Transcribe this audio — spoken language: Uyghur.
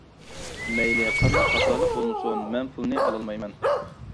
مەيلى قانداق خاتالىق بولمىسۇن مەن پۇلنى ئالالايمەن.